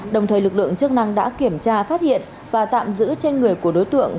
đồng thời lực lượng chức năng đã kiểm tra phát hiện và tạm giữ trên người của đối tượng